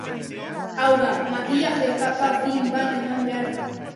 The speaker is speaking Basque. Hau da, makillaje kapa fin bat eman behar da.